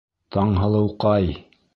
Таңһылыуҡай!